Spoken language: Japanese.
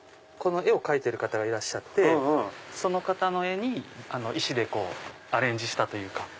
この絵を描いてる方がいらっしゃってその方の絵に石でアレンジしたというか。